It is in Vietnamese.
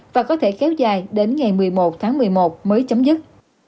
và có thể kéo dài đến ngày một mươi một tháng một mươi một mới chấm dứt